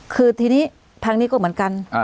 คือทีนี้ทางนี้ก็เหมือนกัน